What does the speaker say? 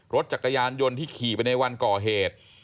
รถจักรยานยนต์ที่ขี่ไปในวันก่อเหตุ